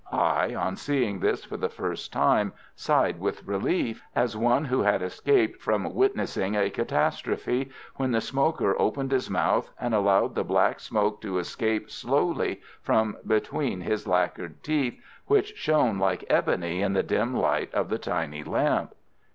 I, on seeing this for the first time, sighed with relief, as one who had escaped from witnessing a catastrophe, when the smoker opened his mouth, and allowed the black smoke to escape slowly from between his lacquered teeth, which shone like ebony in the dim light of the tiny lamp.